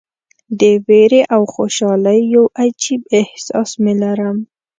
د ویرې او خوشالۍ یو عجیب احساس مې لرم.